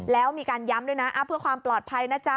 แล้วมีการย้ำด้วยนะเพื่อความปลอดภัยนะจ๊ะ